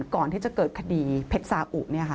ก่อนที่จะเกิดคดีเพชรสาอุ